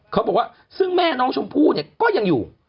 เขาบอกว่าซึ่งแม่น้องสมภูก็ยังอยู่